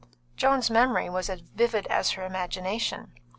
Joan's memory was as vivid as her imagination.